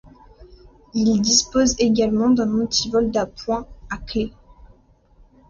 Ils disposent également d’un antivol d’appoint à clé.